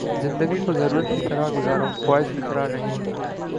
زندگی کو ضرورت کی طرح گزارو، خواہش کی طرح نہیں